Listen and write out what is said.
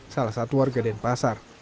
salah satu warga denpasar